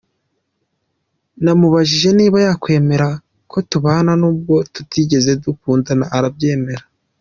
Namubajije niba yakwemera ko tubana n’ubwo tutigeze dukundana arabyemera